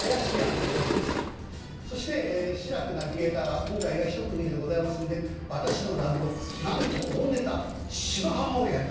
そして志らくナビゲーターは今回が一区切りでございますんで私の落語なんと大ネタ「芝浜」をやります。